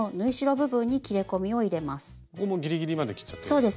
ここもギリギリまで切っちゃっていいんですか？